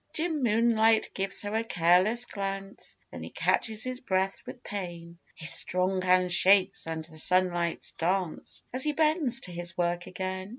Jim Moonlight gives her a careless glance Then he catches his breath with pain His strong hand shakes and the sunlights dance As he bends to his work again.